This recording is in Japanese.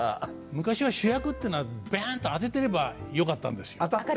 昔は主役っていうのはビャンと当ててればよかったんですよ。